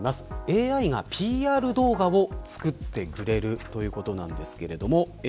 ＡＩがＰＲ動画を作ってくれるということです。